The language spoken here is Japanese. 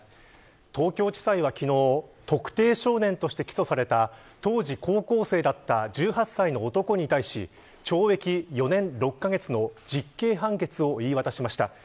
東京地裁は昨日特定少年として起訴された当時、高校生だった１８歳の男に対し懲役４年６カ月の実刑判決を言い渡しました。